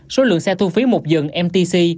số lượng xe thu phí một dừng mtc